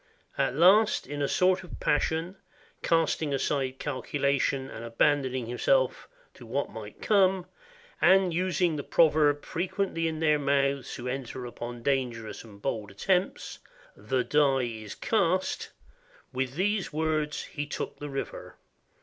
At last, in a sort of passion , casting aside calculation and abandoning himself to what might come, and using the proverb fre quently in their mouths who enter upon dangerous and bold attempts, "The die is cast," with these words he took the river.